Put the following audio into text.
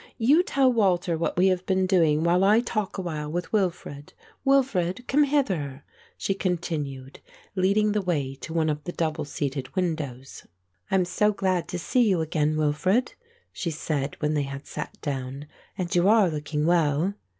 You tell Walter what we have been doing, while I talk awhile with Wilfred. Wilfred, come hither," she continued, leading the way to one of the double seated windows. "I am so glad to see you again, Wilfred," she said, when they had sat down, "and you are looking well."